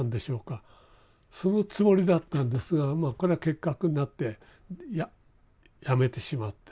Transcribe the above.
そのつもりだったんですがまあこれは結核になってやめてしまって。